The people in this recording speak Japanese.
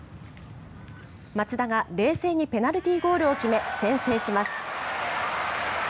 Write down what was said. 松田が冷静にペナルティーゴールを決め先制します。